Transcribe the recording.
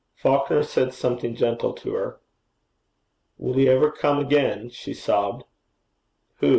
Falconer said something gentle to her. 'Will he ever come again?' she sobbed. 'Who?'